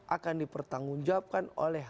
akan dipertanggungjawabkan oleh